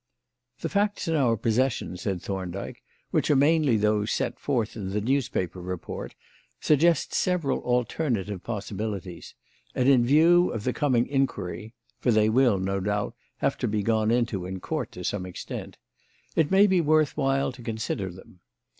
"The facts in our possession," said Thorndyke, "which are mainly those set forth in the newspaper report, suggest several alternative possibilities; and in view of the coming inquiry for they will, no doubt, have to be gone into in Court, to some extent it may be worth while to consider them.